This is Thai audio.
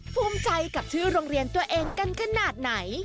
ภูมิใจกับชื่อโรงเรียนตัวเองกันขนาดไหน